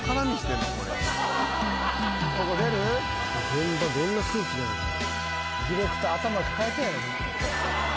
現場どんな空気なんやろ。